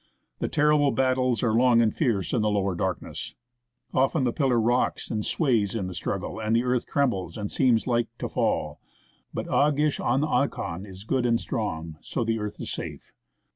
The terrible battles are long and fierce in the lower darkness. Often the pillar rocks and sways in the struggle, and the earth trembles and seems like to fall ; but Ah gish ahn akhon is good and strong, so the earth is safe.